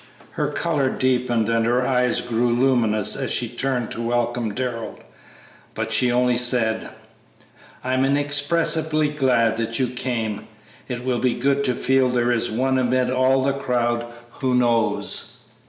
Her color deepened and her eyes grew luminous as she turned to welcome Darrell, but she only said, "I am inexpressibly glad that you came. It will be good to feel there is one amid all the crowd who knows."